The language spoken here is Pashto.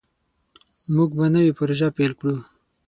موږ به نوې پروژه پیل کړو.